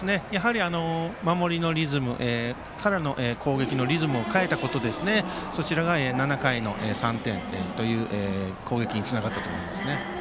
守りのリズムから攻撃のリズムを変えたことで７回の３点という攻撃につながったと思います。